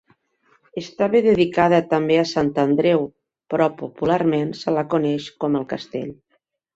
Estava dedicada també a Sant Andreu però popularment se la coneix com el castell.